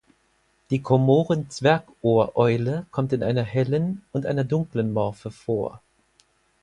Die Komoren-Zwergohreule kommt in einer hellen und einer dunklen Morphe vor.